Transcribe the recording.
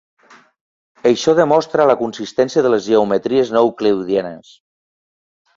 Això demostra la consistència de les geometries no euclidianes.